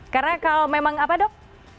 karena kalau memang apa dok